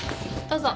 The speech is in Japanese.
どうぞ。